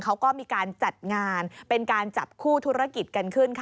เขาก็มีการจัดงานเป็นการจับคู่ธุรกิจกันขึ้นค่ะ